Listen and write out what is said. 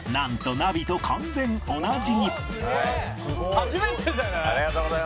初めてじゃない？